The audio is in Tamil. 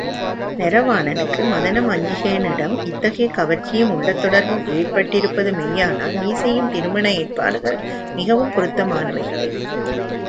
நரவாணனுக்கு மதனமஞ்சிகையினிடம் இத்தகைய கவர்ச்சியும் உள்ளத் தொடர்பும் ஏற்பட்டிருப்பது மெய்யானால் நீ செய்யும் திருமண ஏற்பாடுகள் மிகவும் பொருத்தமானவைகளே.